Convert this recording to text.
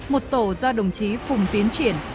một tổ do đồng chí phùng tiến triển